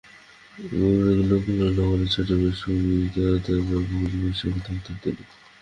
পূর্ব বেঙ্গালুরুর কল্যাণ নগরে ছোট মেয়ে সুমিতা দের পরিবারের সঙ্গে থাকতেন তিনি।